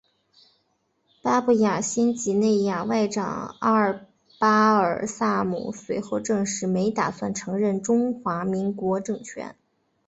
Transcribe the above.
巴布亚新几内亚外长阿巴尔萨姆随后证实没打算承认中华民国政权。